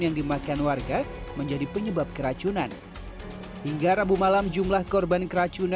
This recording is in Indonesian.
yang dimakan warga menjadi penyebab keracunan hingga rabu malam jumlah korban keracunan